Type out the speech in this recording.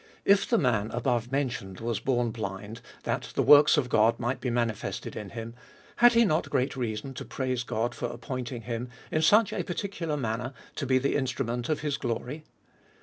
If the man above mentioned was born blind, that the works of God might be manifested in him, had he not great reason to praise God for ap pointing him, in such a particular manner, to be the instrument of his glory?